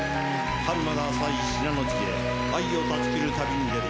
春まだ浅い信濃路へ愛を断ち切る旅に出る。